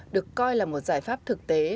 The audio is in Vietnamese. được coi là một giải pháp thực tế